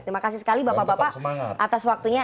terima kasih sekali bapak bapak atas waktunya